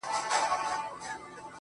خو چي تر کومه به تور سترگي مینه واله یې.